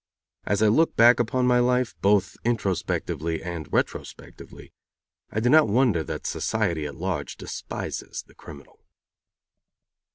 As I look back upon my life both introspectively and retrospectively I do not wonder that society at large despises the criminal.